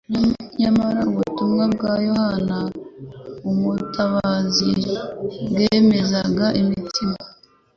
Nyamara ubutumwa bwa Yohana Umubatiza bwemezaga imitima,